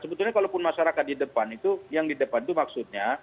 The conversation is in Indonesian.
sebetulnya kalaupun masyarakat di depan itu yang di depan itu maksudnya